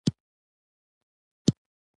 وروسته، نافذ شي.